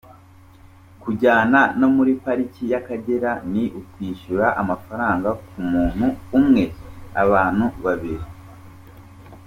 Kujyana na muri Pariki y’Akagera ni ukwishyura. amafaranga ku muntu umwe, abantu babiri.